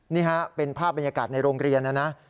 นี่ฮะเป็นภาพบรรยากาศในโรงเรียนนะนะ